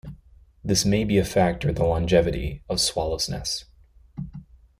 This may be a factor in the longevity of swallows' nests.